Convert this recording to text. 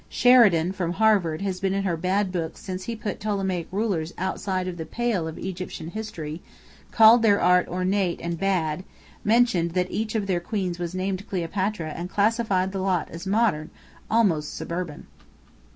Sheridan from Harvard has been in her bad books since he put Ptolemaic rulers outside of the pale of Egyptian history, called their art ornate and bad, mentioned that each of their queens was named Cleopatra and classified the lot as modern, almost suburban.